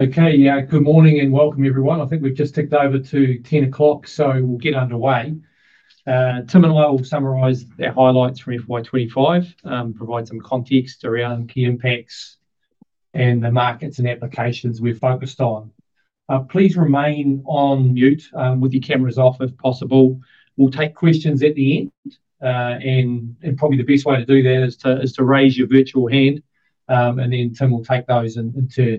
Okay, yeah, good morning and welcome everyone. I think we've just ticked over to 10:00 o'clock, so we'll get underway. Tim and I will summarise the highlights from FY 2025, provide some context around the impacts and the markets and applications we're focused on. Please remain on mute, with your cameras off if possible. We'll take questions at the end. Probably the best way to do that is to raise your virtual hand, and then Tim will take those and answer.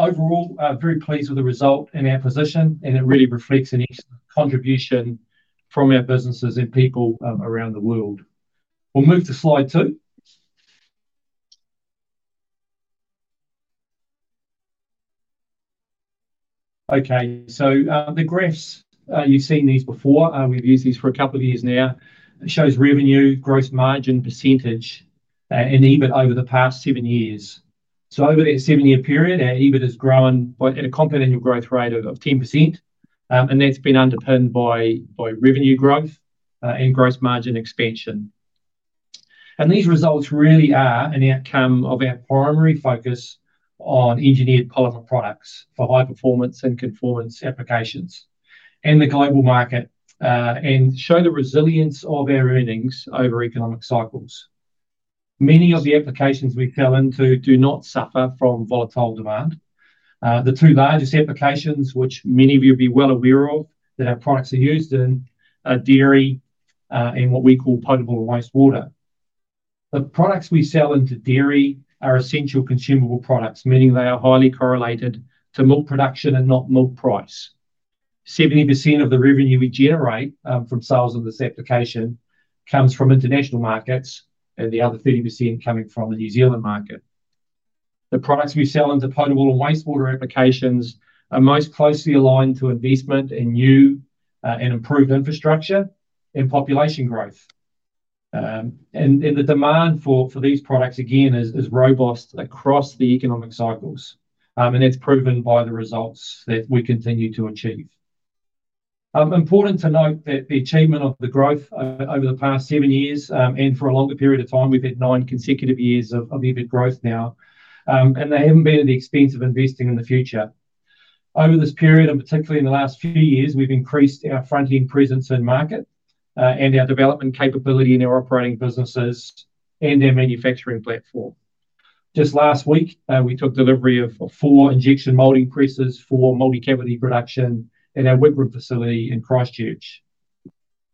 Overall, very pleased with the result and our position, and it really reflects an excellent contribution from our businesses and people around the world. We'll move to slide two. Okay, so the graphs, you've seen these before. We've used these for a couple of years now. It shows revenue, gross margin %, and EBIT over the past seven years. Over that seven-year period, our EBIT has grown at a compound annual growth rate of 10%, and that's been underpinned by revenue growth and gross margin expansion. These results really are an outcome of our primary focus on engineered polymer products for high-performance and conformance applications in the global market, and show the resilience of our earnings over economic cycles. Many of the applications we sell into do not suffer from volatile demand. The two largest applications, which many of you will be well aware of, that our products are used in are dairy and what we call potable and wastewater. The products we sell into dairy are essential consumable products, meaning they are highly correlated to milk production and not milk price. 70% of the revenue we generate from sales of this application comes from international markets, and the other 30% coming from the New Zealand market. The products we sell into potable and wastewater applications are most closely aligned to investment in new and improved infrastructure and population growth. The demand for these products, again, is robust across the economic cycles, and that's proven by the results that we continue to achieve. Important to note that the achievement of the growth over the past seven years, and for a longer period of time, we've had nine consecutive years of EBIT growth now, and they haven't been at the expense of investing in the future. Over this period, and particularly in the last few years, we've increased our front-end presence in the market and our development capability in our operating businesses and our manufacturing platform. Just last week, we took delivery of four injection molding presses for multi-cavity production in our Wigram facility in Christchurch.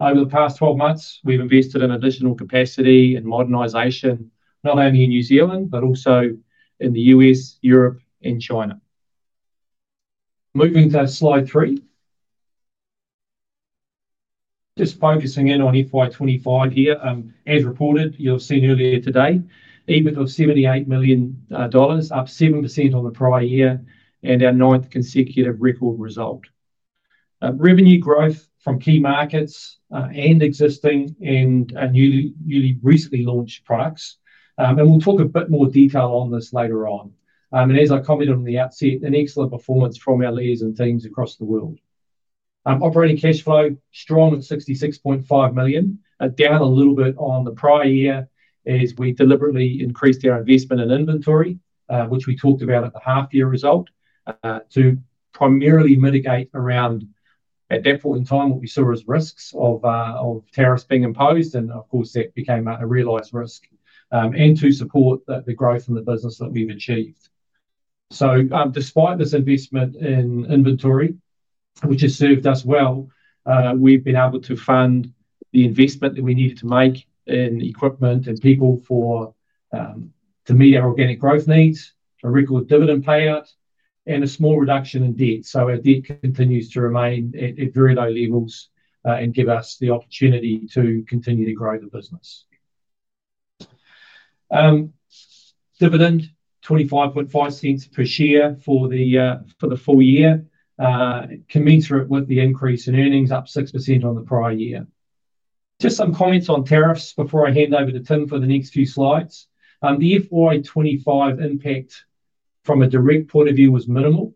Over the past 12 months, we've invested in additional capacity and modernization, not only in New Zealand but also in the U.S., Europe, and China. Moving to slide three. Just focusing in on FY 2025 here, as reported, you'll have seen earlier today, EBIT of $78 million, up 7% on the prior year and our ninth consecutive record result. Revenue growth from key markets and existing and newly recently launched products, and we'll talk a bit more detail on this later on. As I commented on the outset, an excellent performance from our leaders and teams across the world. Operating cash flow strong at $66.5 million, down a little bit on the prior year as we deliberately increased our investment in inventory, which we talked about at the half-year result, to primarily mitigate around, at that point in time, what we saw as risks of tariffs being imposed, and of course, that became a realized risk, and to support the growth in the business that we've achieved. Despite this investment in inventory, which has served us well, we've been able to fund the investment that we needed to make in equipment and people to meet our organic growth needs, a record dividend payout, and a small reduction in debt. Our debt continues to remain at very low levels and give us the opportunity to continue to grow the business. Dividend, $0.255 per share for the full year, commensurate with the increase in earnings, up 6% on the prior year. Just some comments on tariffs before I hand over to Tim for the next few slides. The FY 2025 impact from a direct point of view was minimal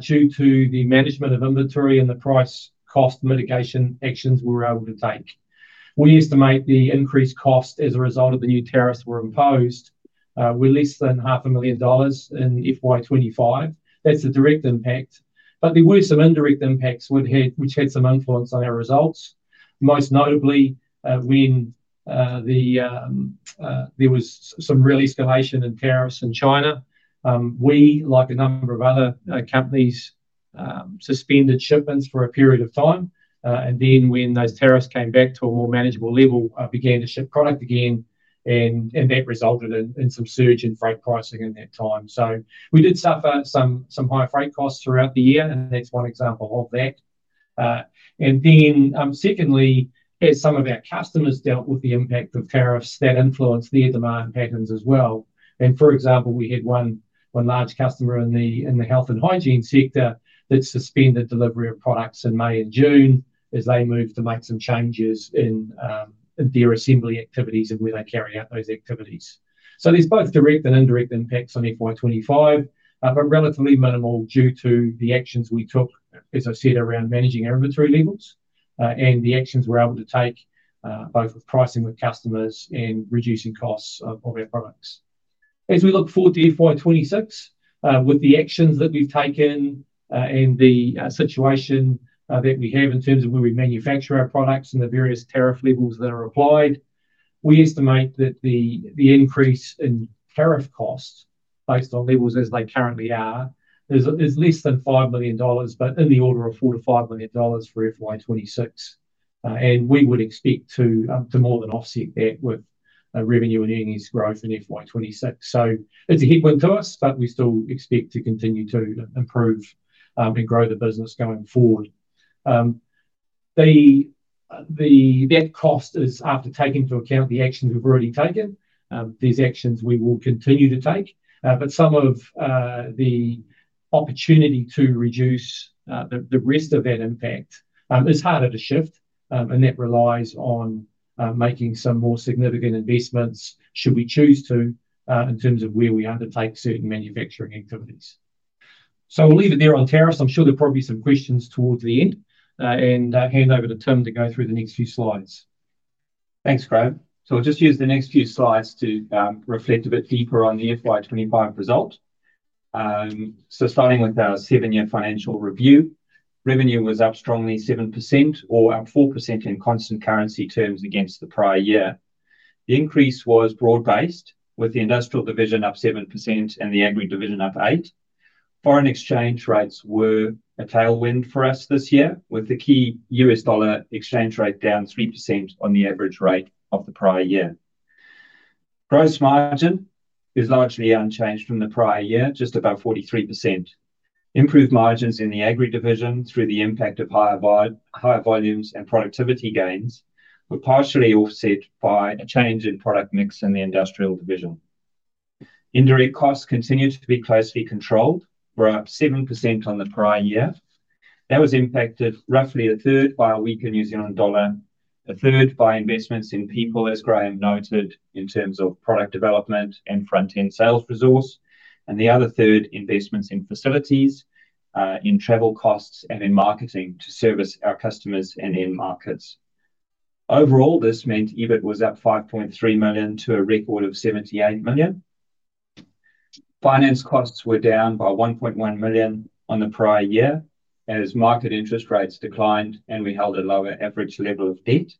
due to the management of inventory and the price cost mitigation actions we were able to take. We estimate the increased costs as a result of the new tariffs were imposed were less than $0.5 million in FY 2025. That's a direct impact, but there were some indirect impacts which had some influence on our results, most notably when there was some real escalation in tariffs in China. We, like a number of other companies, suspended shipments for a period of time, and when those tariffs came back to a more manageable level, began to ship product again, and that resulted in some surge in freight pricing in that time. We did suffer some high freight costs throughout the year, and that's one example of that. Then secondly, as some of our customers dealt with the impact of tariffs, that influenced their demand patterns as well. For example, we had one large customer in the health and hygiene sector that suspended delivery of products in May and June as they moved to make some changes in their assembly activities and where they carry out those activities. There are both direct and indirect impacts on FY 2025, but relatively minimal due to the actions we took, as I've said, around managing our inventory levels and the actions we're able to take, both with pricing with customers and reducing costs of our products. As we look forward to FY 2026, with the actions that we've taken and the situation that we have in terms of where we manufacture our products and the various tariff levels that are applied, we estimate that the increase in tariff costs based on levels as they currently are is less than $5 million, but in the order of $4 million-$5 million for FY 2026. We would expect to more than offset that with revenue and earnings growth in FY 2026. It is a headwind to us, but we still expect to continue to improve and grow the business going forward. That cost is after taking into account the actions we've already taken. These actions we will continue to take, but some of the opportunity to reduce the rest of that impact is harder to shift, and that relies on making some more significant investments should we choose to in terms of where we undertake certain manufacturing activities. We'll leave it there on tariffs. I'm sure there'll probably be some questions towards the end, and I'll hand over to Tim to go through the next few slides. Thanks, Graham. I'll just use the next few slides to reflect a bit deeper on the FY 2025 result. Starting with our seven-year financial review, revenue was up strongly 7% or up 4% in constant currency terms against the prior year. The increase was broad-based with the industrial division up 7% and the aggregate division up 8%. Foreign exchange rates were a tailwind for us this year with the key U.S. dollar exchange rate down 3% on the average rate of the prior year. Gross margin is largely unchanged from the prior year, just above 43%. Improved margins in the aggregate division through the impact of higher volumes and productivity gains were partially offset by a change in product mix in the industrial division. Indirect costs continue to be closely controlled. We're up 7% on the prior year. That was impacted roughly a third by a weaker New Zealand dollar, a third by investments in people, as Graham noted, in terms of product development and front-end sales resource, and the other third investments in facilities, in travel costs, and in marketing to service our customers and in markets. Overall, this meant EBIT was up $5.3 million to a record of $78 million. Finance costs were down by $1.1 million on the prior year as market interest rates declined and we held a lower average level of debt.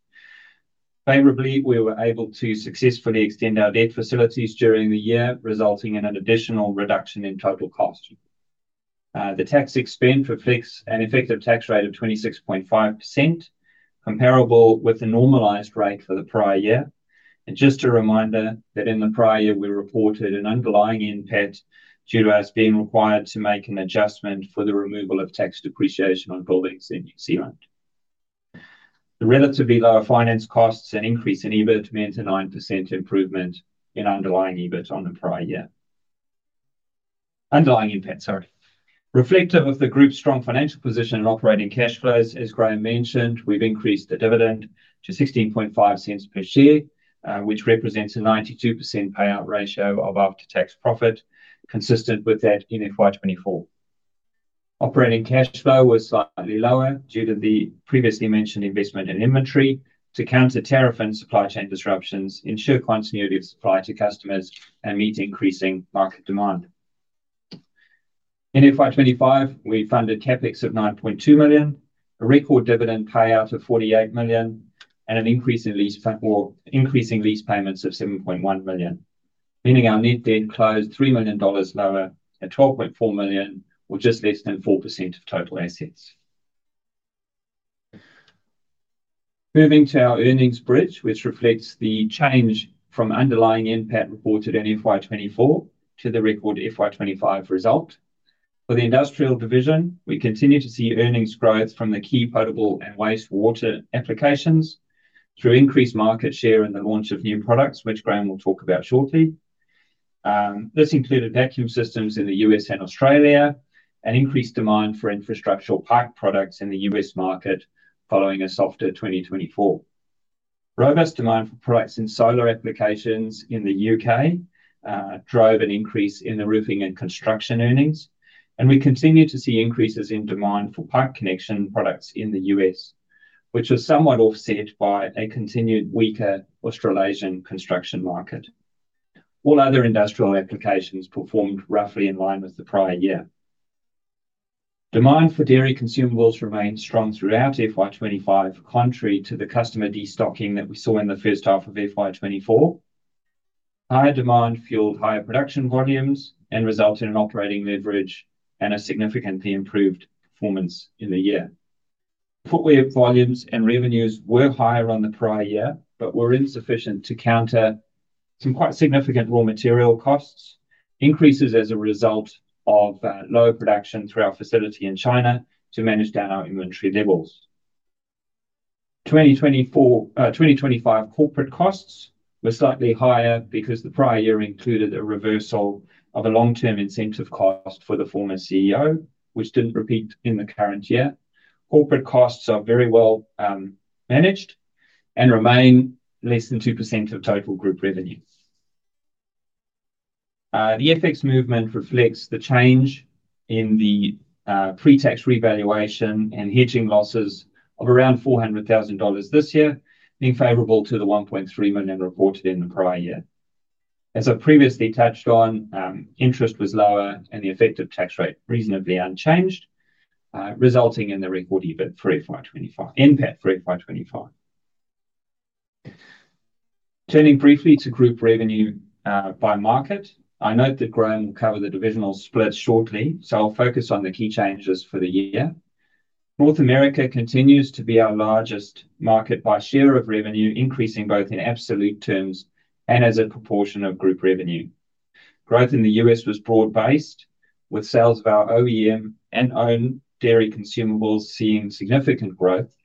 Favorably, we were able to successfully extend our debt facilities during the year, resulting in an additional reduction in total cost. The tax expense reflects an effective tax rate of 26.5%, comparable with the normalized rate for the prior year. Just a reminder that in the prior year we reported an underlying NPAT due to us being required to make an adjustment for the removal of tax depreciation on borrowing CRI. The relatively lower finance costs and increase in EBIT meant a 9% improvement in underlying EBIT on the prior year. Reflective of the group's strong financial position and operating cash flows, as Graham mentioned, we've increased the dividend to $0.165 per share, which represents a 92% payout ratio of after-tax profit, consistent with that in FY 2024. Operating cash flow was slightly lower due to the previously mentioned investment in inventory to counter tariff and supply chain disruptions, ensure continuity of supply to customers and meet increasing market demand. In FY 2025, we funded CapEx of $9.2 million, a record dividend payout of $48 million, and an increase in lease payments of $7.1 million, meaning our net debt closed $3 million lower at $12.4 million or just less than 4% of total assets. Moving to our earnings bridge, which reflects the change from underlying NPAT reported in FY 2024 to the record FY 2025 result. For the industrial division, we continue to see earnings growth from the key potable and wastewater applications through increased market share and the launch of new products, which Graham will talk about shortly. This included vacuum systems in the U.S. and Australia and increased demand for infrastructural pipe products in the U.S. market following a softer 2024. Robust demand for products in solar applications in the UK drove an increase in the roofing and construction earnings, and we continue to see increases in demand for pipe connection products in the U.S., which was somewhat offset by a continued weaker Australasian construction market. All other industrial applications performed roughly in line with the prior year. Demand for dairy consumables remained strong throughout FY 2025, contrary to the customer destocking that we saw in the first half of FY 2024. Higher demand fueled higher production volumes and resulted in an operating leverage and a significantly improved performance in the year. Footwear volumes and revenues were higher on the prior year, but were insufficient to counter some quite significant raw material costs, increases as a result of low production through our facility in China to manage down our inventory levels. FY 2025 corporate costs were slightly higher because the prior year included a reversal of a long-term incentive cost for the former CEO, which didn't repeat in the current year. Corporate costs are very well managed and remain less than 2% of total group revenue. The FX movement reflects the change in the pre-tax revaluation and hedging losses of around $400,000 this year, being favorable to the $1.3 million reported in the prior year. As I've previously touched on, interest was lower and the effective tax rate reasonably unchanged, resulting in the record EBIT for FY 2025, impact for FY 2025. Turning briefly to group revenue by market, I note that Graham will cover the divisional split shortly, so I'll focus on the key changes for the year. North America continues to be our largest market by share of revenue, increasing both in absolute terms and as a proportion of group revenue. Growth in the U.S. was broad-based, with sales of our OEM and own dairy consumables seeing significant growth,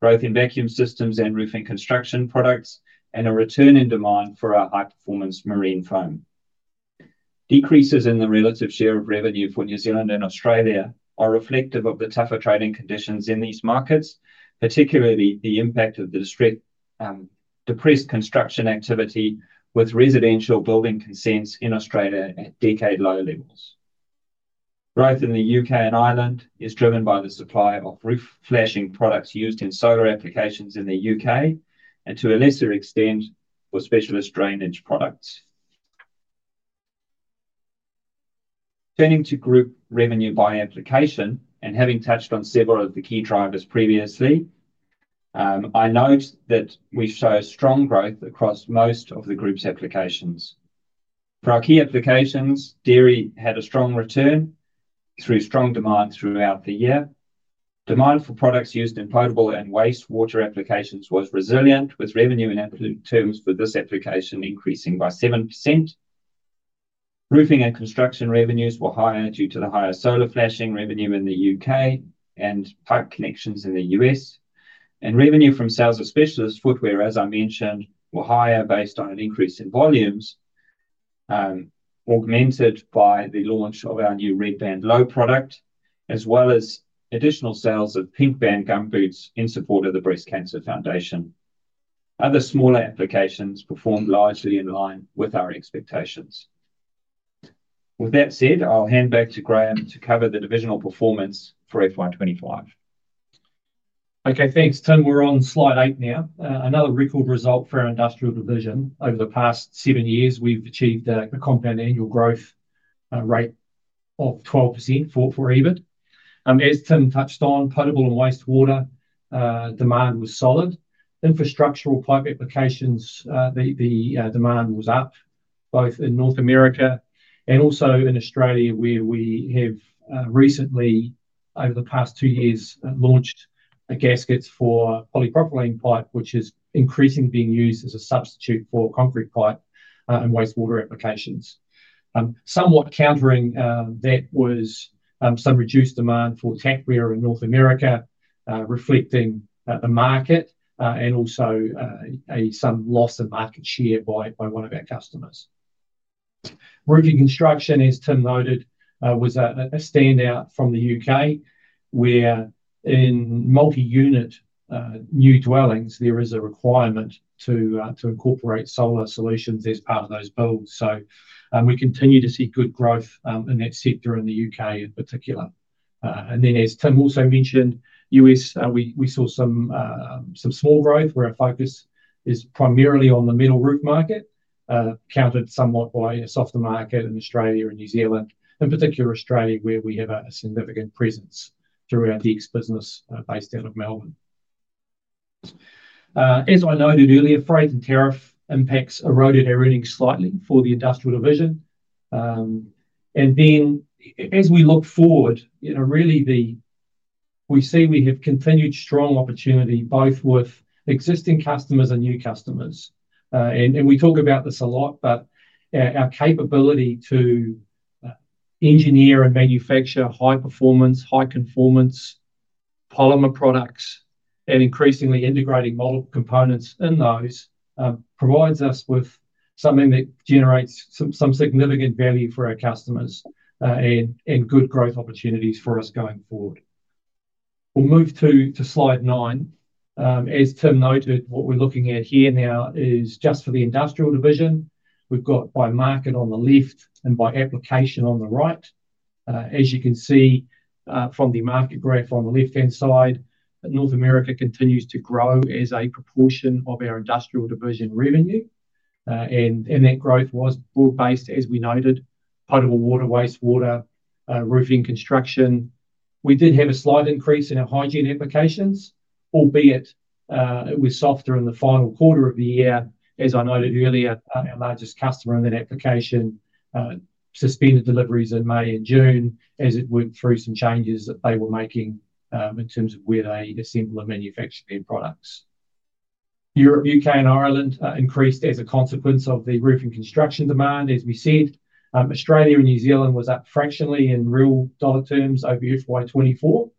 growth in vacuum systems and roofing construction products, and a return in demand for our high-performance marine foam. Decreases in the relative share of revenue for New Zealand and Australia are reflective of the tougher trading conditions in these markets, particularly the impact of the strict depressed construction activity with residential building consents in Australia at decade low levels. Growth in the U.K. and Ireland is driven by the supply of roof flashing products used in solar applications in the U.K., and to a lesser extent for specialist drainage products. Turning to group revenue by application, and having touched on several of the key drivers previously, I note that we show strong growth across most of the group's applications. For our key applications, dairy had a strong return through strong demand throughout the year. Demand for products used in potable and wastewater applications was resilient, with revenue in absolute terms for this application increasing by 7%. Roofing and construction revenues were higher due to the higher solar flashing revenue in the U.K., and pipe connections in the U.S., and revenue from sales of specialist footwear, as I mentioned, were higher based on an increase in volumes, augmented by the launch of our new Red Band Low boot product, as well as additional sales of Pink Band gum boots in support of the Breast Cancer Foundation. Other smaller applications performed largely in line with our expectations. With that said, I'll hand back to Graham to cover the divisional performance for FY 2025. Okay, thanks, Tim. We're on slide eight now. Another record result for our industrial division. Over the past seven years, we've achieved a compound annual growth rate of 12% for EBIT. As Tim touched on, potable and wastewater demand was solid. Infrastructural pipe applications, the demand was up both in North America and also in Australia, where we have recently, over the past two years, launched gaskets for polypropylene pipe, which is increasingly being used as a substitute for concrete pipe in wastewater applications. Somewhat countering that was some reduced demand for tack ware in North America, reflecting a market and also some loss of market share by one of our customers. Bridging construction, as Tim noted, was a standout from the U.K., where in multi-unit new dwellings, there is a requirement to incorporate solar solutions as part of those builds. We continue to see good growth in that sector in the U.K. in particular. As Tim also mentioned, we saw some small growth where our focus is primarily on the mid rural market, countered somewhat by a softer market in Australia and New Zealand, in particular Australia, where we have a significant presence throughout the ex-business based out of Melbourne. As I noted earlier, freight and tariff impacts eroded our earnings slightly for the industrial division. As we look forward, we see we have continued strong opportunity both with existing customers and new customers. We talk about this a lot, but our capability to engineer and manufacture high-performance, high-conformance polymer products and increasingly integrating model components in those provides us with something that generates some significant value for our customers and good growth opportunities for us going forward. We'll move to slide nine. As Tim noted, what we're looking at here now is just for the industrial division. We've got by market on the left and by application on the right. As you can see from the market graph on the left-hand side, North America continues to grow as a proportion of our industrial division revenue. That growth was broad-based, as we noted, potable water, wastewater, roofing construction. We did have a slight increase in our hygiene applications, albeit it was softer in the final quarter of the year. As I noted earlier, our largest customer in that application suspended deliveries in May and June as it went through some changes that they were making in terms of where they assembled and manufactured their products. Europe and U.K. and Ireland increased as a consequence of the roofing construction demand, as we said. Australia and New Zealand were up fractionally in real dollar terms over FY 2024,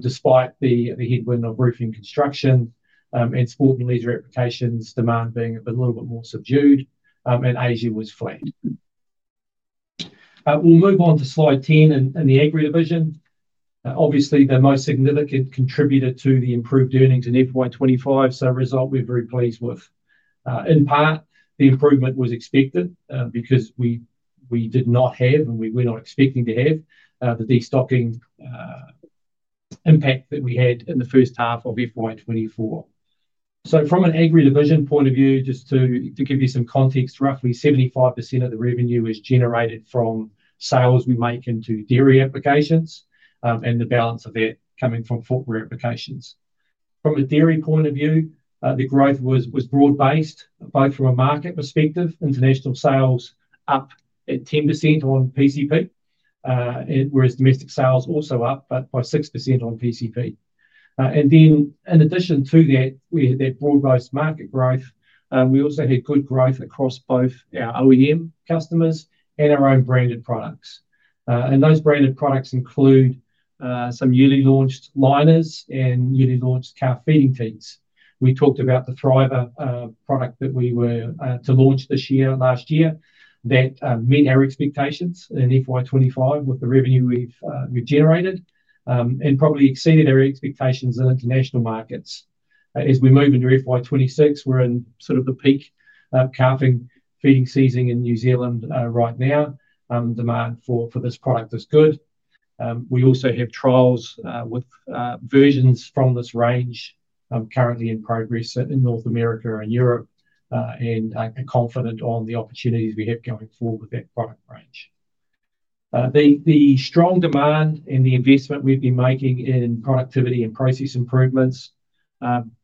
despite the headwind of roofing construction and sport and leisure applications, demand being a little bit more subdued, and Asia was flat. We'll move on to slide 10 in the aggregate division. Obviously, the most significant contributor to the improved earnings in FY 2025 is a result we're very pleased with. In part, the improvement was expected because we did not have, and we were not expecting to have, the destocking impact that we had in the first half of FY 2024. From an aggregate division point of view, just to give you some context, roughly 75% of the revenue is generated from sales we make into dairy applications and the balance of that coming from footwear applications. From a dairy point of view, the growth was broad-based, both from a market perspective. International sales up at 10% on PCP, whereas domestic sales also up, but by 6% on PCP. In addition to that broad-based market growth, we also had good growth across both our OEM customers and our own branded products. Those branded products include some newly launched liners and newly launched cow feeding teats. We talked about the Thriva product that we were to launch this year and last year. That met our expectations in FY 2025 with the revenue we've generated and probably exceeded our expectations in international markets. As we move into FY 2026, we're in sort of the peak calving feeding season in New Zealand right now. Demand for this product is good. We also have trials with versions from this range currently in progress in North America and Europe, and I'm confident on the opportunities we have going forward with that product range. The strong demand and the investment we've been making in productivity and process improvements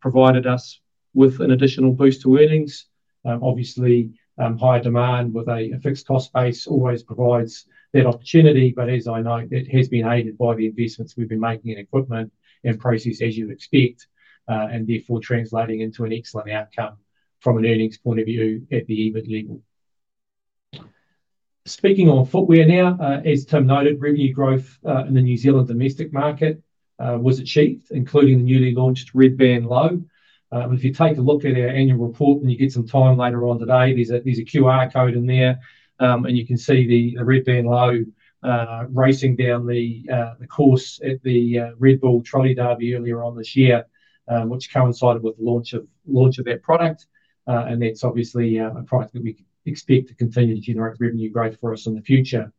provided us with an additional boost to earnings. Obviously, higher demand with a fixed cost base always provides that opportunity, but as I note, that has been aided by the investments we've been making in equipment and process, as you'd expect, and therefore translating into an excellent outcome from an earnings point of view at the EBIT level. Speaking on footwear now, as Tim noted, revenue growth in the New Zealand domestic market was achieved, including the newly launched Red Band Low. If you take a look at our annual report and you get some time later on today, there's a QR code in there, and you can see the Red Band Low racing down the course at the Red Bull trolley derby earlier on this year, which coincided with the launch of that product. That's obviously a product that we expect to continue to generate revenue growth for us in the future.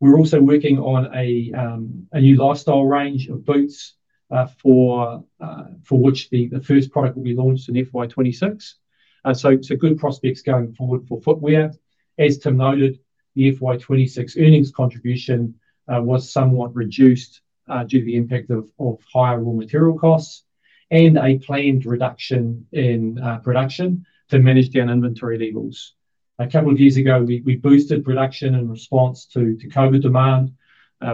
We're also working on a new lifestyle range of boots for which the first product will be launched in FY 2026. Good prospects going forward for footwear. As Tim noted, the FY 2026 earnings contribution was somewhat reduced due to the impact of higher raw material costs and a planned reduction in production to manage down inventory levels. A couple of years ago, we boosted production in response to COVID demand,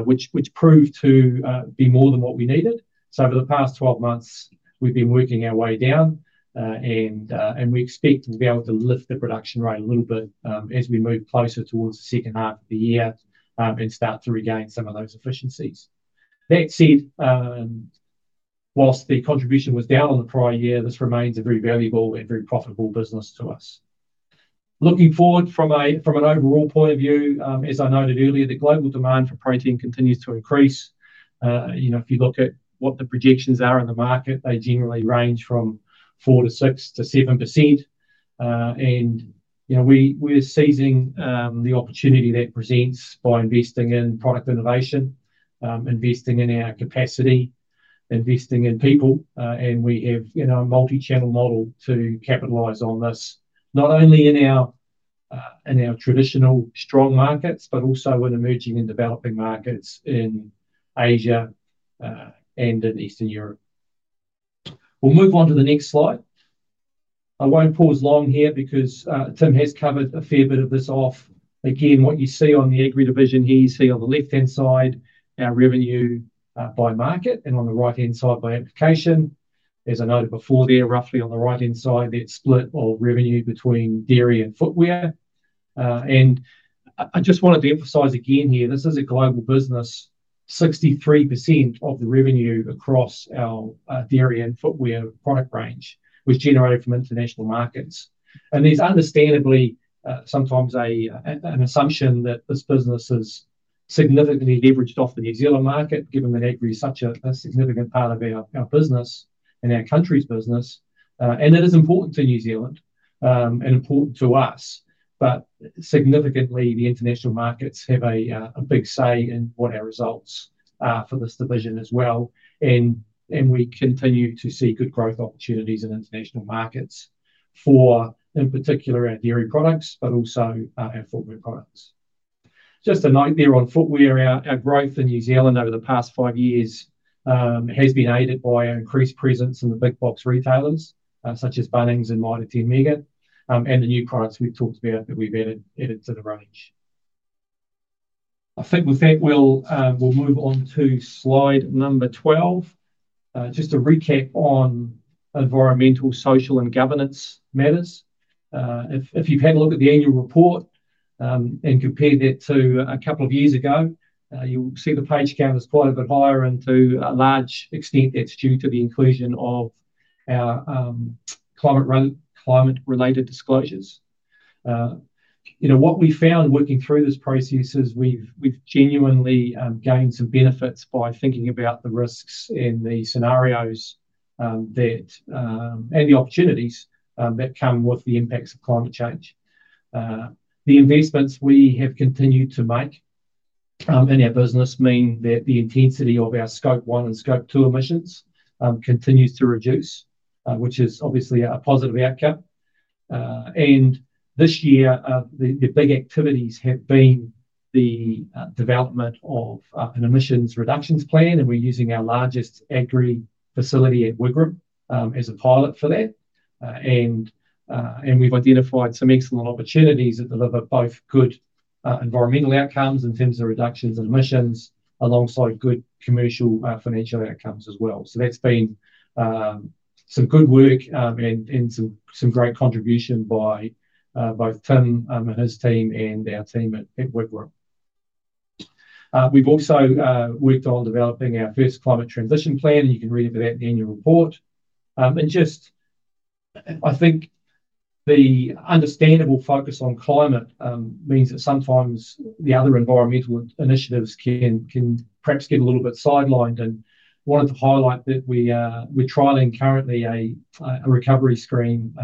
which proved to be more than what we needed. Over the past 12 months, we've been working our way down, and we expect to be able to lift the production rate a little bit as we move closer towards the second half of the year and start to regain some of those efficiencies. That said, whilst the contribution was down on the prior year, this remains a very valuable and very profitable business to us. Looking forward from an overall point of view, as I noted earlier, the global demand for protein continues to increase. If you look at what the projections are in the market, they generally range from 4%-6%-7%. We're seizing the opportunity that presents by investing in product innovation, investing in our capacity, investing in people, and we have in our multi-channel model to capitalize on this, not only in our traditional strong markets, but also in emerging and developing markets in Asia and in Eastern Europe. We'll move on to the next slide. I won't pause long here because Tim has covered a fair bit of this off. What you see on the aggregate division here, you see on the left-hand side our revenue by market and on the right-hand side by application. As I noted before there, roughly on the right-hand side, that's split of revenue between dairy and footwear. I just wanted to emphasize again here, this is a global business. 63% of the revenue across our dairy and footwear product range was generated from international markets. There's understandably sometimes an assumption that this business is significantly leveraged off the New Zealand market, given that aggregate is such a significant part of our business and our country's business. It is important to New Zealand and important to us. Significantly, the international markets have a big say in what our results are for this division as well. We continue to see good growth opportunities in international markets for, in particular, our dairy products, but also our footwear products. Just a note there on footwear, our growth in New Zealand over the past five years has been aided by our increased presence in the big box retailers, such as Bunnings and Mitre 10 Mega, and the new products we've talked about that we've added to the range. I think with that, we'll move on to slide number 12, just a recap on environmental, social, and governance matters. If you've had a look at the annual report and compared that to a couple of years ago, you'll see the page count is quite a bit higher and to a large extent that's due to the inclusion of our climate-related disclosures. What we found working through this process is we've genuinely gained some benefits by thinking about the risks and the scenarios and the opportunities that come with the impacts of climate change. The investments we have continued to make in our business mean that the intensity of our scope 1 and scope 2 emissions continues to reduce, which is obviously a positive outcome. This year, the big activities have been the development of an emissions reductions plan, and we're using our largest aggregate facility at Wigram as a pilot for that. We've identified some excellent opportunities that deliver both good environmental outcomes in terms of reductions in emissions alongside good commercial financial outcomes as well. That's been some good work and some great contribution by both Tim and his team and our team at Wigram. We've also worked on developing our first climate transition plan, and you can read about that in the annual report. I think the understandable focus on climate means that sometimes the other environmental initiatives can perhaps get a little bit sidelined. I wanted to highlight that we're trialling currently a recovery scheme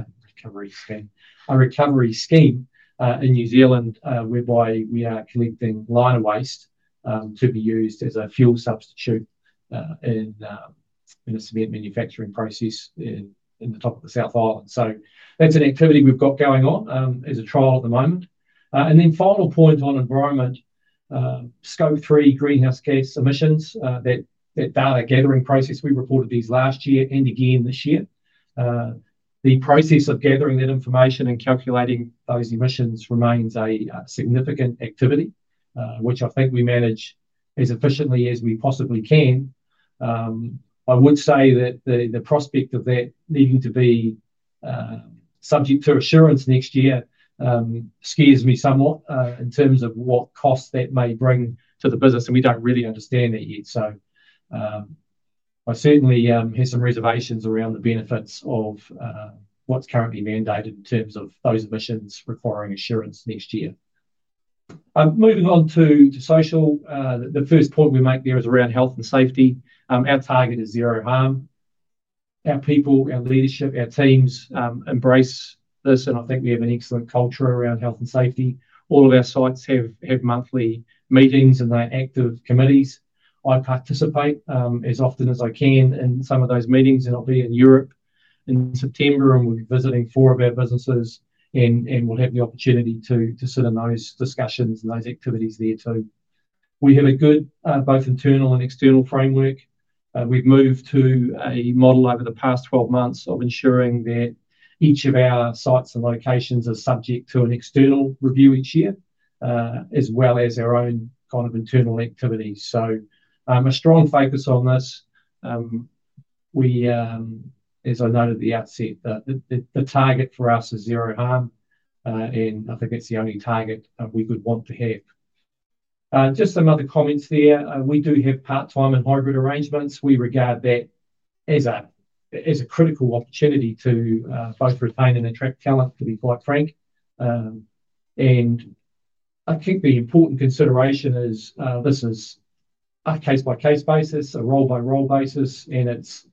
in New Zealand, whereby we are collecting liner waste to be used as a fuel substitute in a cement manufacturing process in the top of the [South Island]. That's an activity we've got going on as a trial at the moment. The final point on environment, scope three greenhouse gas emissions, that data gathering process. We reported these last year and again this year. The process of gathering that information and calculating those emissions remains a significant activity, which I think we manage as efficiently as we possibly can. I would say that the prospect of that needing to be subject to assurance next year scares me somewhat in terms of what costs that may bring to the business, and we don't really understand that yet. I certainly have some reservations around the benefits of what's currently mandated in terms of those emissions requiring assurance next year. Moving on to social, the first point we make there is around health and safety. Our target is zero harm. Our people, our leadership, our teams embrace this, and I think we have an excellent culture around health and safety. All of our sites have monthly meetings and they're active committees. I participate as often as I can in some of those meetings, and I'll be in Europe in September, and we'll be visiting four of our businesses, and we'll have the opportunity to sit in those discussions and those activities there too. We have a good both internal and external framework. We've moved to a model over the past 12 months of ensuring that each of our sites and locations is subject to an external review each year, as well as our own kind of internal activities. A strong focus on this. We, as I noted at the outset, the target for us is zero harm, and I think that's the only target we would want to have. Just some other comments there. We do have part-time and hybrid arrangements. We regard that as a critical opportunity to both retain and attract talent, to be quite frank. I think the important consideration is this is a case-by-case basis, a role-by-role basis, and it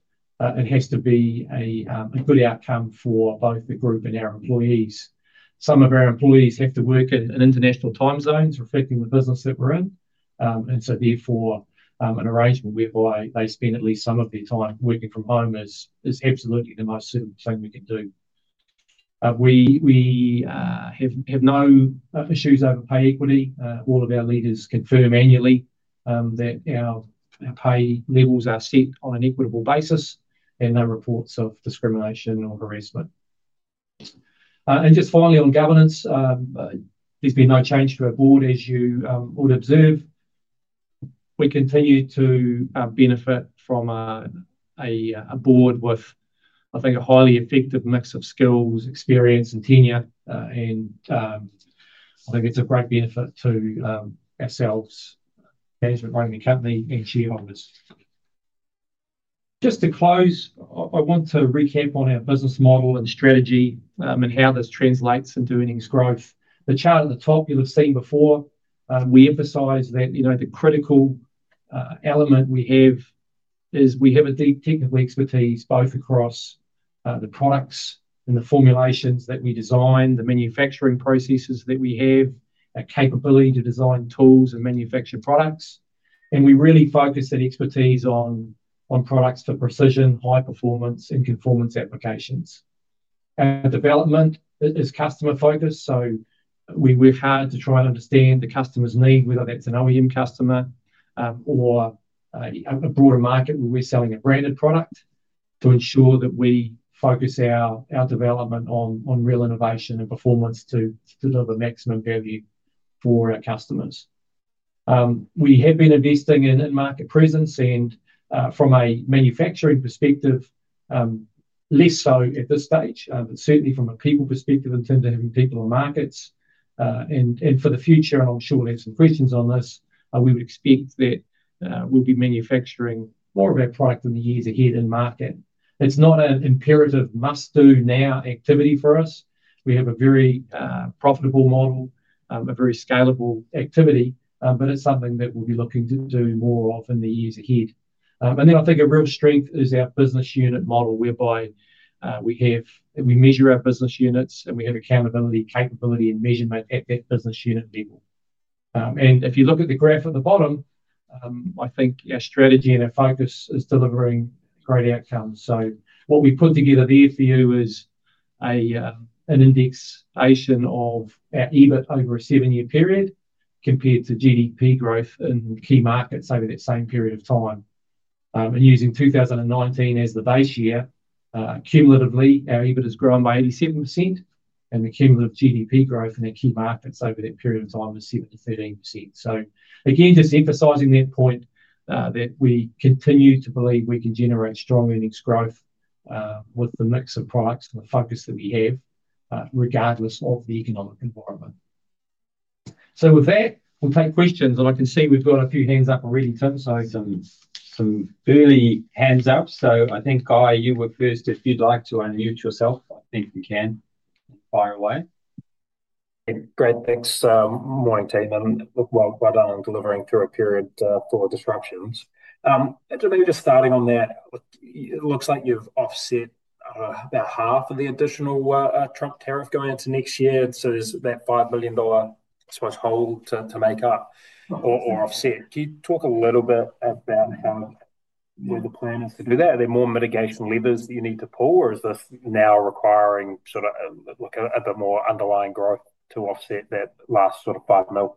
has to be a good outcome for both the group and our employees. Some of our employees have to work in international time zones, reflecting the business that we're in, and therefore an arrangement whereby they spend at least some of their time working from home is absolutely the most suitable thing we can do. We have no issues over pay equity. All of our leaders confirm annually that our pay levels are set on an equitable basis, and no reports of discrimination or harassment. Finally, on governance, there's been no change to our board, as you would observe. We continue to benefit from a board with, I think, a highly effective mix of skills, experience, and tenure, and I think it's a great benefit to ourselves, management running the company, and shareholders. Just to close, I want to recap on our business model and strategy and how this translates into earnings growth. The chart at the top you'll have seen before, we emphasize that the critical element we have is we have a deep technical expertise both across the products and the formulations that we design, the manufacturing processes that we have, our capability to design tools and manufacture products, and we really focus that expertise on products for precision, high performance, and conformance applications. Our development is customer-focused, so we work hard to try and understand the customer's need, whether that's an OEM customer or a broader market where we're selling a branded product, to ensure that we focus our development on real innovation and performance to deliver maximum value for our customers. We have been investing in market presence, and from a manufacturing perspective, less so at this stage, but certainly from a people perspective in terms of having people in markets. For the future, I'm sure we'll have some questions on this. We would expect that we'll be manufacturing more of our product in the years ahead in market. It's not an imperative must-do now activity for us. We have a very profitable model, a very scalable activity, but it's something that we'll be looking to do more of in the years ahead. I think a real strength is our business unit model whereby we measure our business units and we have accountability, capability, and measurement at that business unit level. If you look at the graph at the bottom, I think our strategy and our focus is delivering great outcomes. What we've put together there for you is an indexation of our EBIT over a seven-year period compared to GDP growth in key markets over that same period of time. Using 2019 as the base year, cumulatively, our EBIT has grown by 87%, and the cumulative GDP growth in our key markets over that period of time was 7%-18%. Again, just emphasizing that point that we continue to believe we can generate strong earnings growth with the mix of products and the focus that we have, regardless of the economic environment. With that, we'll take questions, and I can see we've got a few hands up. I'm reading Tim's notes and some early hands up, so I think, Guy, you were first. If you'd like to unmute yourself, I think we can fire away. Great, thanks. Morning, Tim. Well done on delivering through a period for disruptions. Maybe just starting on that, it looks like you've offset about half of the additional trunk tariff going into next year. There's that $5 million, I suppose, hold to make up or offset. Can you talk a little bit about how the plan is to do that? Are there more mitigation levers that you need to pull, or is this now requiring sort of look at a bit more underlying growth to offset that last sort of $5 million?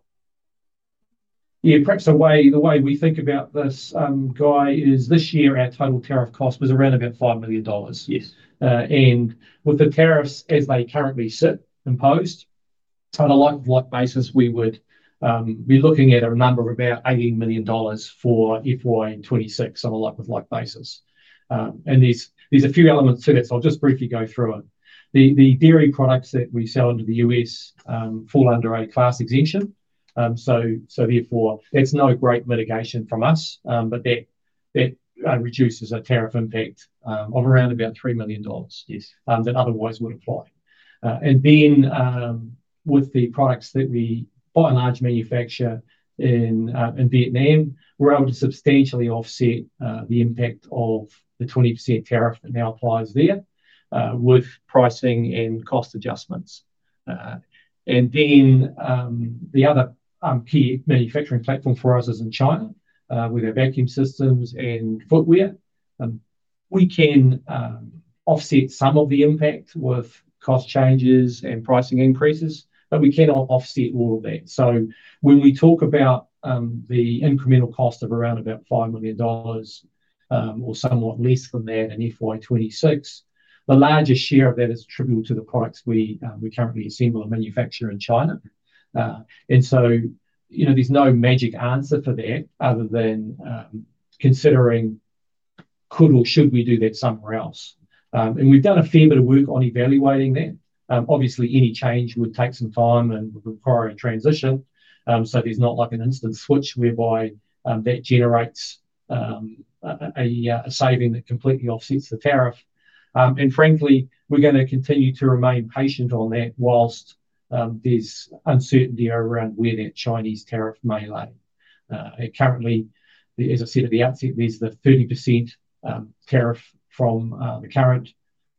Yeah. Perhaps the way we think about this, Guy, is this year our total tariff cost was around about $5 million. Yes. With the tariffs as they currently sit imposed, on a like-like basis, we would be looking at a number of about $18 million for FY 2026, on a like-like basis. There are a few elements to this, so I'll just briefly go through it. The dairy products that we sell into the U.S. fall under a class exemption, so therefore that's no great mitigation from us, but that reduces our tariff impact of around about $3 million. Yes. That otherwise would apply. With the products that we buy in large manufacturer in Vietnam, we're able to substantially offset the impact of the 20% tariff that now applies there with pricing and cost adjustments. The other key manufacturing platform for us is in China, with our vacuum systems and footwear. We can offset some of the impact with cost changes and pricing increases, but we cannot offset all of that. When we talk about the incremental cost of around about $5 million or somewhat less than that in FY 2026, the largest share of that is attributable to the products we currently assemble and manufacture in China. There is no magic answer for that other than considering could or should we do that somewhere else. We have done a fair bit of work on evaluating that. Obviously, any change would take some time and require a transition. There is not an instant switch whereby that generates a saving that completely offsets the tariff. Frankly, we are going to continue to remain patient on that whilst there is uncertainty around where that Chinese tariff may land. Currently, as I said at the outset, there is the 30% tariff from the current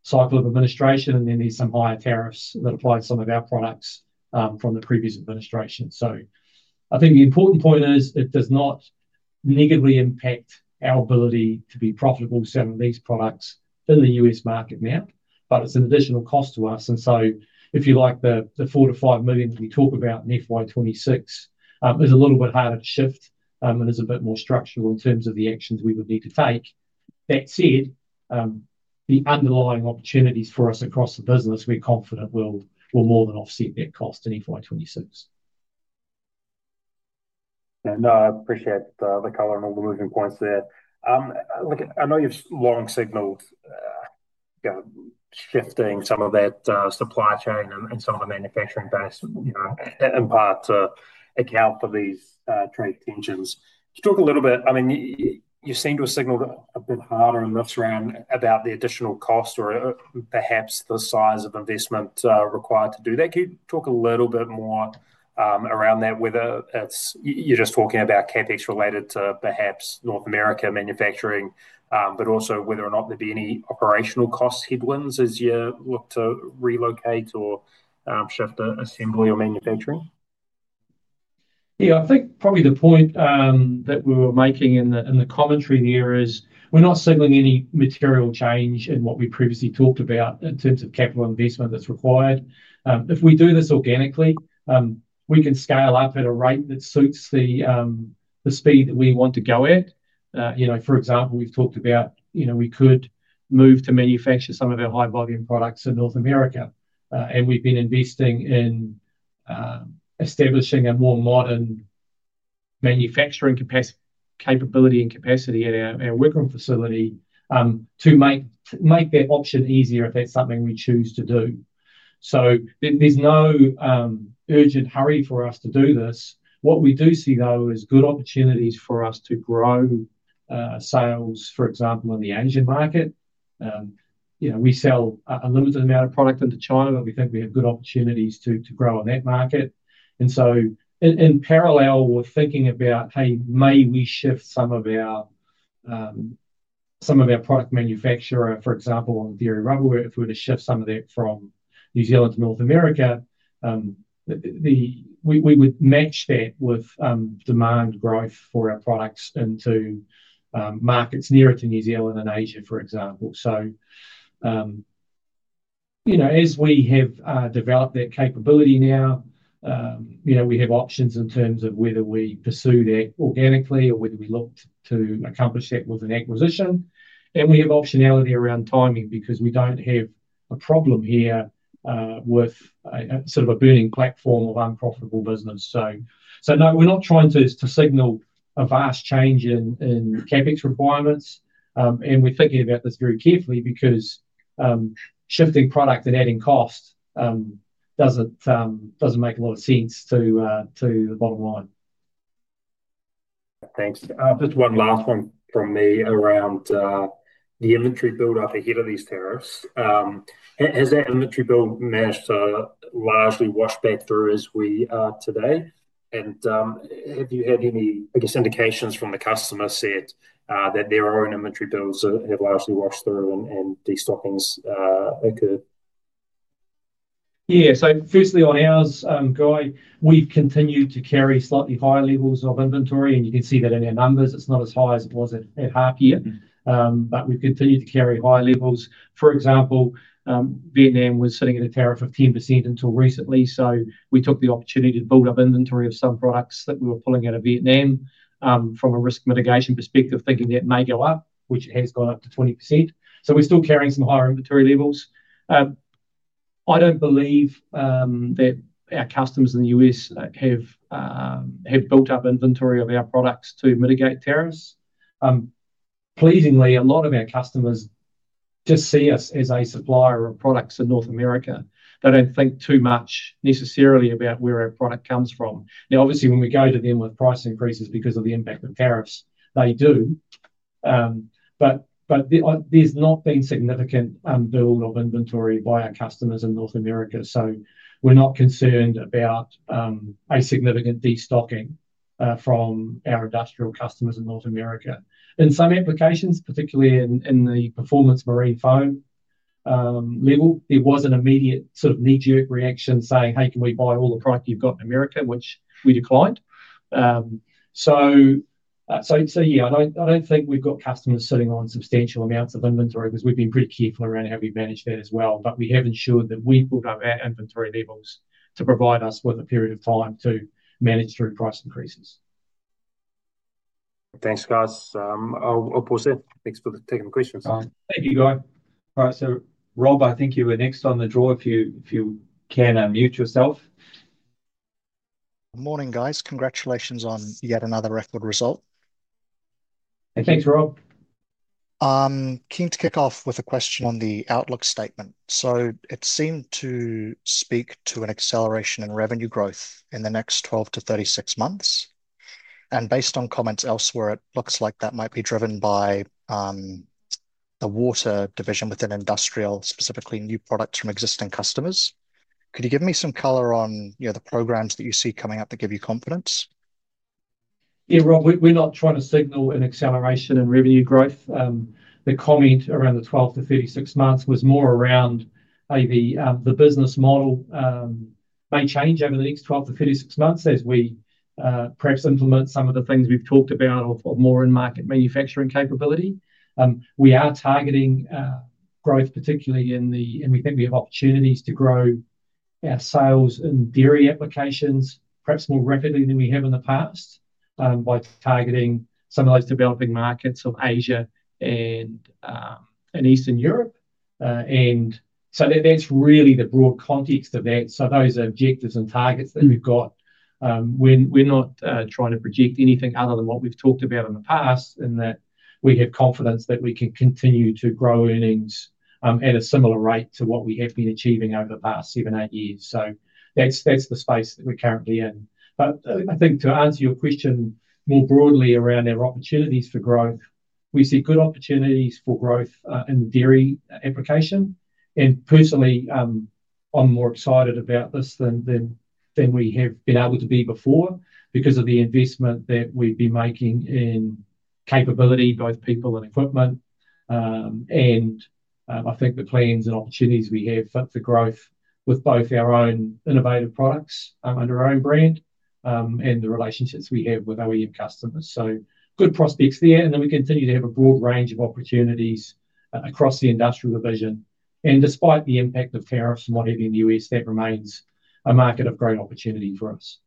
cycle of administration, and then there are some higher tariffs that apply to some of our products from the previous administration. The important point is it does not negatively impact our ability to be profitable selling these products in the U.S. market now, but it is an additional cost to us. The $4 million-$5 million that we talk about in FY 2026 is a little bit harder to shift and is a bit more structural in terms of the actions we would need to take. That said, the underlying opportunities for us across the business, we are confident will more than offset that cost in FY 2026. I appreciate the color and all the moving points there. I know you have long signaled shifting some of that supply chain and some of the manufacturing base, in part to help with these trade tensions. Could you talk a little bit, you seem to have signaled a bit harder on this round about the additional cost or perhaps the size of investment required to do that. Could you talk a little bit more around that, whether you are just talking about CapEx related to perhaps North America manufacturing, but also whether or not there would be any operational cost headwinds as you look to relocate or shift to assembly or manufacturing? I think probably the point that we were making in the commentary there is we are not signaling any material change in what we previously talked about in terms of capital investment that is required. If we do this organically, we can scale up at a rate that suits the speed that we want to go at. For example, we've talked about, you know, we could move to manufacture some of our high volume products in North America, and we've been investing in establishing a more modern manufacturing capability and capacity at our Wigram facility to make that option easier if that's something we choose to do. There's no urgent hurry for us to do this. What we do see, though, is good opportunities for us to grow sales, for example, in the Asian market. We sell a limited amount of product into China, but we think we have good opportunities to grow in that market. In parallel, we're thinking about, hey, may we shift some of our product manufacturing, for example, on the dairy rubberware, if we were to shift some of that from New Zealand to North America. We would match that with demand growth for our products into markets nearer to New Zealand and Asia, for example. As we have developed that capability now, we have options in terms of whether we pursue that organically or whether we look to accomplish that with an acquisition. We have optionality around timing because we don't have a problem here with sort of a burning platform of unprofitable business. We're not trying to signal a vast change in CapEx requirements, and we're thinking about this very carefully because shifting product and adding cost doesn't make a lot of sense to the bottom line. Thanks. Just one last one from me around the inventory buildup ahead of these tariffs. Has that inventory build mass largely washed back through as we are today? Have you had any, I guess, indications from the customer set that their own inventory builds have largely washed through and destocking's occurred? Yes. Firstly, on ours, Guy, we've continued to carry slightly higher levels of inventory, and you can see that in our numbers. It's not as high as it was at half year, but we've continued to carry higher levels. For example, Vietnam was sitting at a tariff of 10% until recently, so we took the opportunity to build up inventory of some products that we were pulling out of Vietnam from a risk mitigation perspective, thinking that may go up, which has gone up to 20%. We're still carrying some higher inventory levels. I don't believe that our customers in the U.S. have built up inventory of our products to mitigate tariffs. Pleasingly, a lot of our customers just see us as a supplier of products in North America. They don't think too much necessarily about where our product comes from. Obviously, when we go to them with price increases because of the impact of tariffs, they do. There's not been significant build of inventory by our customers in North America, so we're not concerned about a significant destocking from our industrial customers in North America. In some applications, particularly in the performance marine foam level, there was an immediate sort of knee-jerk reaction saying, "Hey, can we buy all the product you've got in America?" which we declined. I'd say, yeah, I don't think we've got customers sitting on substantial amounts of inventory because we've been pretty careful around how we manage that as well. We have ensured that we've built up our inventory levels to provide us with a period of time to manage through price increases. Thanks, guys. I'll pause there. Thanks for the technical questions. Have you, Guy. All right, Rob, I think you were next on the draw if you can unmute yourself. Morning, guys. Congratulations on yet another record result. Hey, thanks, Rob. Keen to kick off with a question on the outlook statement. It seemed to speak to an acceleration in revenue growth in the next 12-36 months. Based on comments elsewhere, it looks like that might be driven by the water division within industrial, specifically new products from existing customers. Could you give me some color on the programs that you see coming up that give you confidence? Yeah, Rob, we're not trying to signal an acceleration in revenue growth. The comment around the 12-36 months was more around the business model may change over the next 12-36 months as we perhaps implement some of the things we've talked about of more in-market manufacturing capability. We are targeting growth, particularly in the, and we think we have opportunities to grow our sales in dairy applications perhaps more rapidly than we have in the past by targeting some of those developing markets of Asia and Eastern Europe. That's really the broad context of that. Those are objectives and targets that we've got. We're not trying to project anything other than what we've talked about in the past in that we have confidence that we can continue to grow earnings at a similar rate to what we have been achieving over the past seven or eight years. That's the space that we're currently in. I think to answer your question more broadly around our opportunities for growth, we see good opportunities for growth in the dairy application. Personally, I'm more excited about this than we have been able to be before because of the investment that we've been making in capability, both people and equipment. I think the plans and opportunities we have for growth with both our own innovative products under our own brand and the relationships we have with OEM customers. Good prospects there, and we continue to have a broad range of opportunities across the industrial division. Despite the impact of tariffs and whatever in the U.S., that remains a market of great opportunity for us.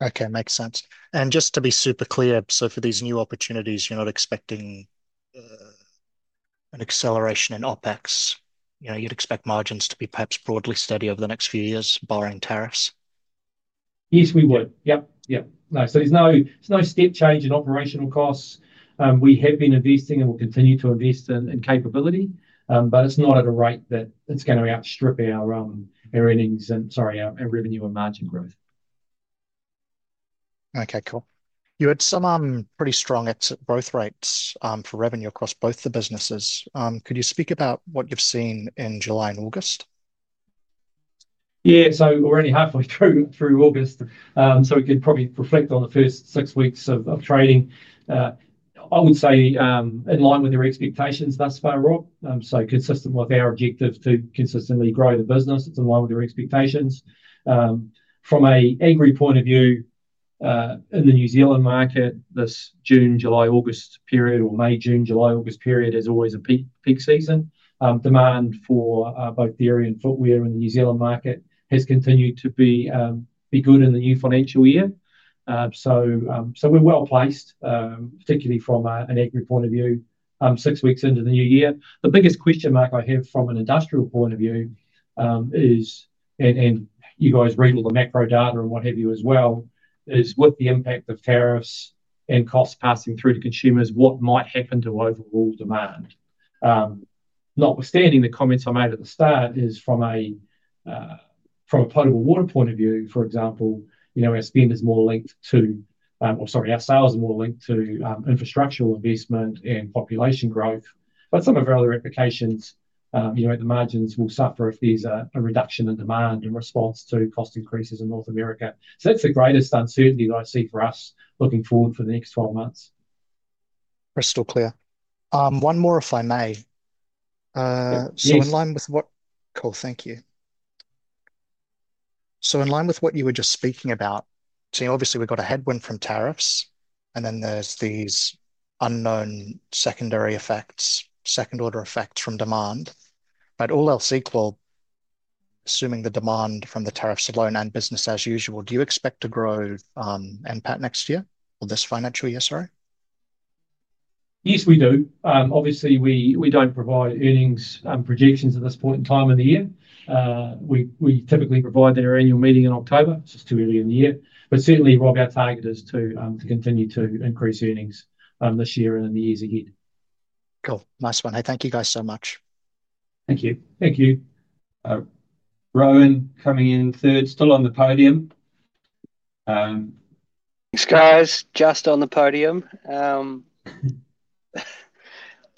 Okay, makes sense. Just to be super clear, for these new opportunities, you're not expecting an acceleration in OpEx. You'd expect margins to be perhaps broadly steady over the next few years, barring tariffs. Yes, we would. Yep, yep. There's no steep change in operational costs. We have been investing and will continue to invest in capability, but it's not at a rate that it's going to outstrip our earnings, our revenue, and margin growth. Okay, cool. You had some pretty strong growth rates for revenue across both the businesses. Could you speak about what you've seen in July and August? Yeah, so we're only halfway through August, so we could probably reflect on the first six weeks of trading. I would say in line with your expectations thus far, Rob. Consistent with our objective to consistently grow the business, it's in line with your expectations. From an aggregate point of view, in the New Zealand market, this June, July, August period, or May, June, July, August period, as always, a peak season. Demand for both dairy and footwear in the New Zealand market has continued to be good in the new financial year. We're well placed, particularly from an aggregate point of view, six weeks into the new year. The biggest question mark I have from an industrial point of view is, and you guys bring all the macro data and what have you as well, is with the impact of tariffs and costs passing through to consumers, what might happen to overall demand? Notwithstanding the comments I made at the start, from a potable water point of view, for example, our spend is more linked to, or sorry, our sales are more linked to infrastructure investment and population growth. Some of our other applications, the margins will suffer if there's a reduction in demand in response to cost increases in North America. That's the greatest uncertainty that I see for us looking forward for the next 12 months. Crystal clear. One more, if I may. Thank you. In line with what you were just speaking about, obviously we've got a headwind from tariffs, and then there's these unknown secondary effects, second order effects from demand. All else equal, assuming the demand from the tariffs alone and business as usual, do you expect to grow NPAT next year or this financial year? Sorry. Yes, we do. Obviously, we don't provide earnings and projections at this point in time in the year. We typically provide that at our annual meeting in October. It's just too early in the year. Certainly, Rob, our target is to continue to increase earnings this year and in the years ahead. Cool. Nice one. Hey, thank you guys so much. Thank you. Thank you. Rowan coming in third, still on the podium. Just on the podium.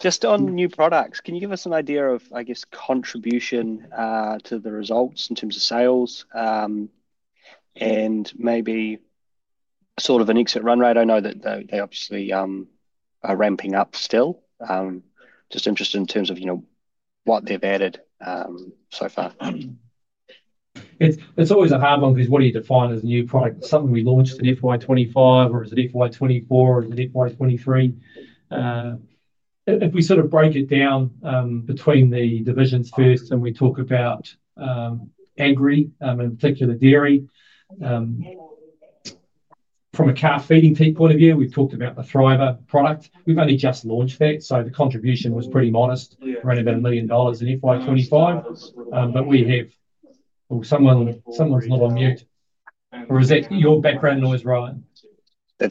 Just on new products, can you give us an idea of, I guess, contribution to the results in terms of sales and maybe sort of an exit run rate? I know that they obviously are ramping up still. Just interested in terms of, you know, what they've added so far. It's always a hard one because what do you define as a new product? Is it something we launched in the new FY 2025, or is it a new FY 2024, or is it a new FY 2023? If we sort of break it down between the divisions first and we talk about aggregate, in particular dairy, from a cow feeding teat point of view, we've talked about the Thriva product. We've only just launched that, so the contribution was pretty modest, around about $1 million in FY 2025. Oh, someone's not on mute. Or is that your background noise, Ryan? We'll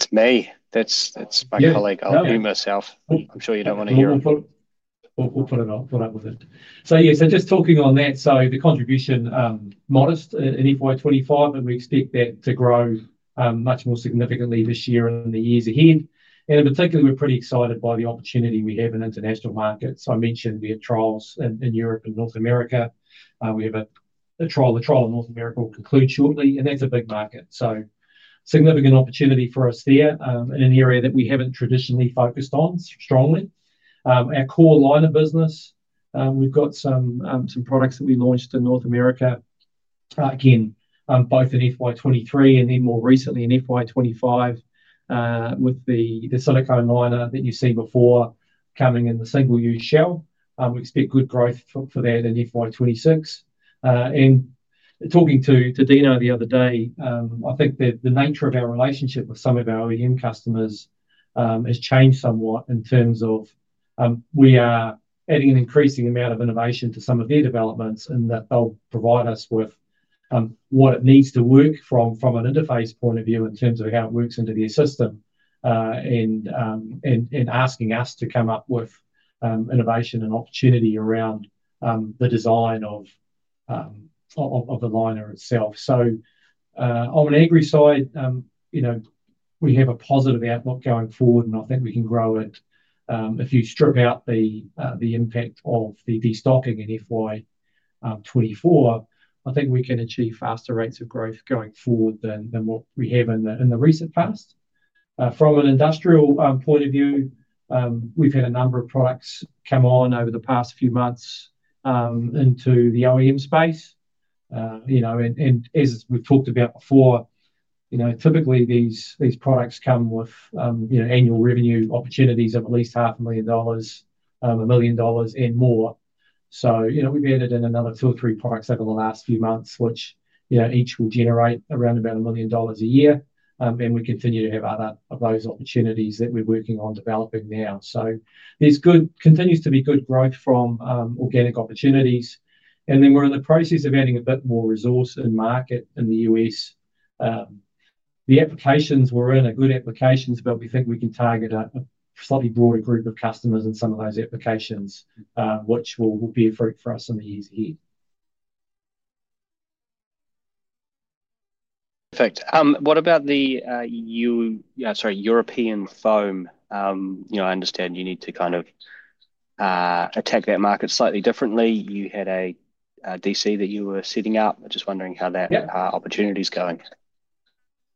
put it on. We'll put up with it. Just talking on that, the contribution, modest in FY 2025, and we expect that to grow much more significantly this year and in the years ahead. In particular, we're pretty excited by the opportunity we have in international markets. I mentioned we have trials in Europe and North America. We have a trial. The trial in North America will conclude shortly, and that's a big market. Significant opportunity for us there in an area that we haven't traditionally focused on strongly. Our core liner business, we've got some products that we launched in North America, again, both in FY 2023 and then more recently in FY 2025, with the silicone liner that you've seen before coming in the single-use shell. We expect good growth for that in FY 2026. Talking to Dino the other day, I think the nature of our relationship with some of our OEM customers has changed somewhat in terms of we are adding an increasing amount of innovation to some of their developments and that they'll provide us with what it needs to work from an interface point of view in terms of how it works into the assistant and asking us to come up with innovation and opportunity around the design of the liner itself. On an aggregate side, you know, we have a positive outlook going forward, and I think we can grow it. If you strip out the impact of the destocking in FY 2024, I think we can achieve faster rates of growth going forward than what we have in the recent past. From an industrial point of view, we've had a number of products come on over the past few months into the OEM space. As we've talked about before, typically these products come with annual revenue opportunities of at least $0.5 million, $1 million, and more. We've added in another two or three products over the last few months, which each will generate around about $1 million a year. We continue to have other of those opportunities that we're working on developing now. There continues to be good growth from organic opportunities. We're in the process of adding a bit more resource and market in the U.S. The applications we're in are good applications, but we think we can target a slightly broader group of customers in some of those applications, which will be a fruit for us in the years ahead. Perfect. What about the, yeah, sorry, European foam? I understand you need to kind of attack that market slightly differently. You had a DC that you were setting up. I'm just wondering how that opportunity is going.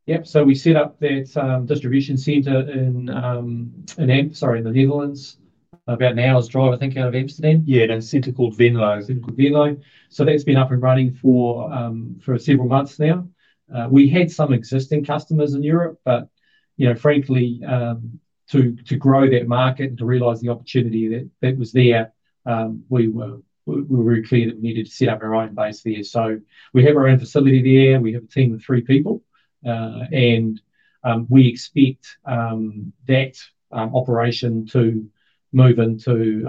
Yep. We set up that distribution center in the Netherlands, about an hour's drive out of Amsterdam. That center is called Venlo. That's been up and running for several months now. We had some existing customers in Europe, but, frankly, to grow that market and to realize the opportunity that was there, we were very clear that we needed to set up our own base there. We have our own facility there, and we have a team of three people. We expect that operation to move into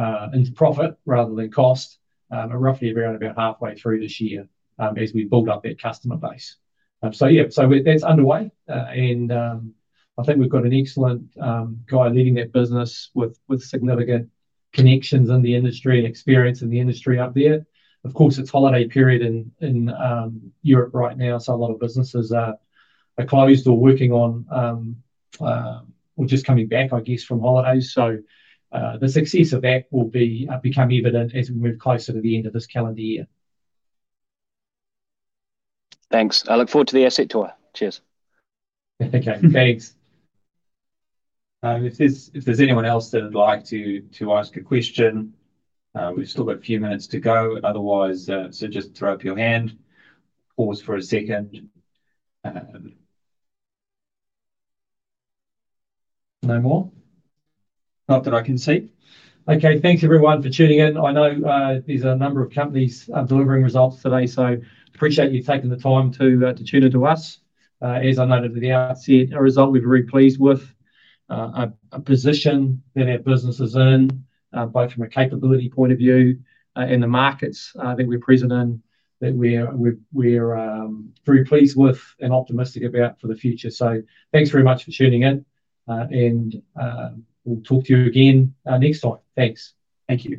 profit rather than cost, roughly around halfway through this year as we build up that customer base. That's underway. I think we've got an excellent guy leading that business with significant connections in the industry, experience in the industry up there. Of course, it's a holiday period in Europe right now, so a lot of businesses are closed or working on, or just coming back, I guess, from holidays. The success of that will become evident as we move closer to the end of this calendar year. Thanks. I look forward to the asset tour. Cheers. Okay, thanks. If there's anyone else that would like to ask a question, we've still got a few minutes to go. Otherwise, suggest throw up your hand. Pause for a second. No more. Not that I can see. Okay, thanks everyone for tuning in. I know there's a number of companies delivering results today, so I appreciate you taking the time to tune in to us. As I noted at the outset, a result we're very pleased with. A position that our business is in, both from a capability point of view and the markets that we're present in, that we're very pleased with and optimistic about for the future. Thanks very much for tuning in, and we'll talk to you again next time. Thanks. Thank you.